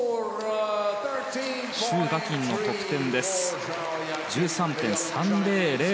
シュウ・ガキンの得点は１３．３００。